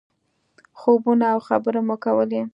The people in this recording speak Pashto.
خوبونه او خبرې مو کولې.